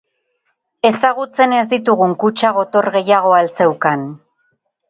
Ezagutzen ez ditugun kutxa gotor gehiago al zeukan?